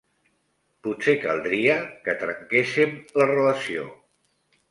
Potser caldria que trenquéssem la relació.